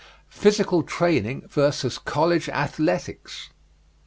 PHYSICAL TRAINING VS. COLLEGE ATHLETICS.